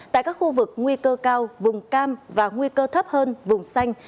tại các khu vực nguy cơ cao vùng cam và nguy cơ thấp hơn vùng xanh